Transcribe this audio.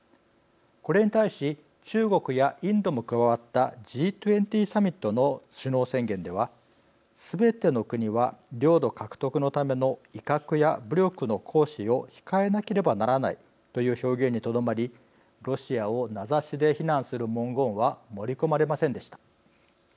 これに対し中国やインドも加わったＧ２０サミットの首脳宣言ではすべての国は領土獲得のための威嚇や武力の行使を控えなければならないという表現にとどまりロシアを名指しで非難する文言は盛り込まれませんでした。